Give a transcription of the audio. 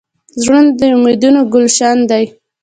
زړه د امیدونو ګلشن دی.